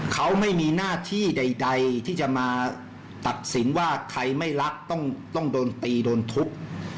เขาไม่มีหน้าที่ใดที่จะมาตัดสินว่าใครไม่รักต้องโดนตีโดนทุบ